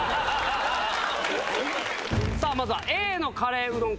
まずはＡのカレーうどん